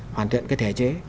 hoàn thiện cái thể chế